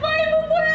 mau ibu pulang ina